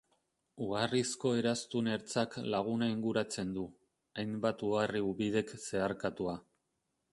Uharrizko eraztun ertzak laguna inguratzen du, hainbat uharri-ubidek zeharkatua.